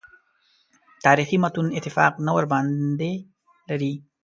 تاریخي متون اتفاق نه ورباندې لري.